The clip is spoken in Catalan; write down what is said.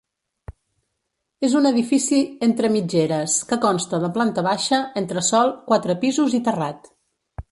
És un edifici entre mitgeres que consta de planta baixa, entresòl, quatre pisos i terrat.